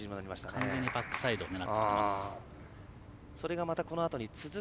完全にバックサイド狙っています。